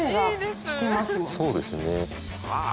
そうですね。